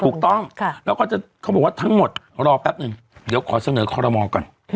ถูกต้องแล้วก็จะเขาบอกว่าทั้งหมดรอแป๊บนึงเดี๋ยวขอเสนอคอรมอลก่อน